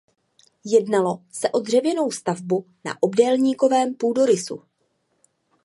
Jednalo se o dřevěnou stavbu na obdélníkovém půdorysu.